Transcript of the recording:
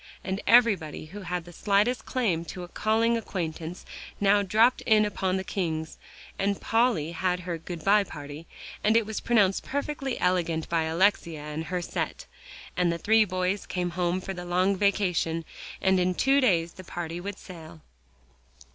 And everybody who had the slightest claim to a calling acquaintance, now dropped in upon the Kings, and Polly had her "good by party," and it was pronounced perfectly elegant by Alexia and her set, and the three boys came home for the long vacation and in two days the party would sail.